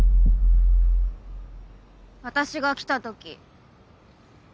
私が来た時。